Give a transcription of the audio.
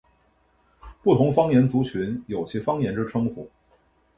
不同方言族群有其方言之称呼。